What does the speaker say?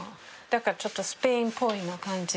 だからちょっとスペインっぽい感じ。